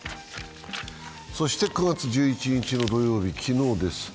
そして９月１１日の土曜日、昨日です。